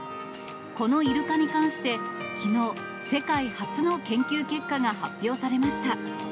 このイルカに関してきのう、世界初の研究結果が発表されました。